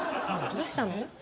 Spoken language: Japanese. どうしたの？